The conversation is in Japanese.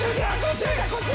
こっち！